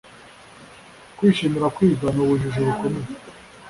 kwishimira kwiga ni ubujiji bukomeye